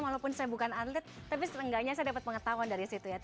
walaupun saya bukan atlet tapi setidaknya saya dapat pengetahuan dari situ ya